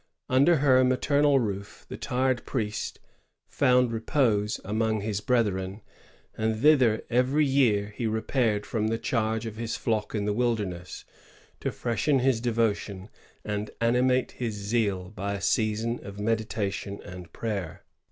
Under her maternal roof the tired priest found repose among his brethren ; and thither every year he repaired from the charge of his flock in the wilderness, to freshen his devotion and animate his zeal by a season of meditation and prayer.